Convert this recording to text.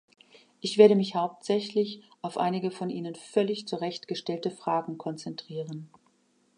Ich werde mich hauptsächlich auf einige von Ihnen völlig zu Recht gestellte Fragen konzentrieren.